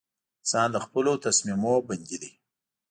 • انسان د خپلو تصمیمونو بندي دی.